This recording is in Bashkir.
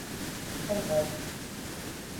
ЫРҒЫҘ